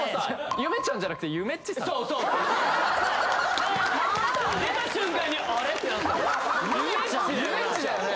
夢ちゃんじゃなくてゆめっちさん出た瞬間にあれ？ってなったゆめっちだよなゆめっちだよね